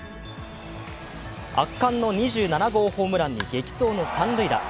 圧巻の２７号ホームランに激走の三塁打。